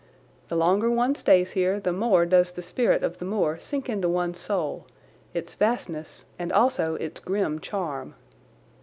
The longer one stays here the more does the spirit of the moor sink into one's soul, its vastness, and also its grim charm.